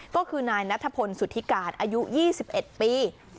ก็คือนายนัทพลสุธิกาศอายุ๒๑ปี